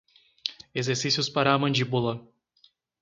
Exercícios para a mandíbula